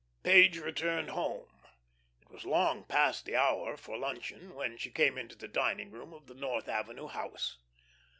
Page returned home. It was long past the hour for luncheon when she came into the dining room of the North Avenue house.